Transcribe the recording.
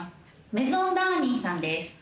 メゾン・ダーニさんです。